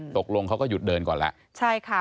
ตกลงเขาก็หยุดเดินก่อนแล้ว